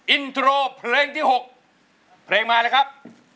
อินโทรเพลงที่๖เพลงมาเลยครับ